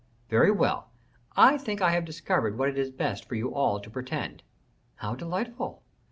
"Very well, I think I have discovered what it is best for you all to pretend." "How delightful."